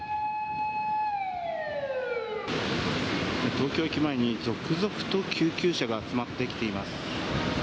東京駅前に続々と救急車が集まってきています。